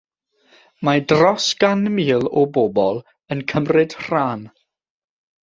Mae dros gan mil o bobl yn cymryd rhan.